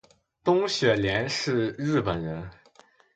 东雪莲是日本人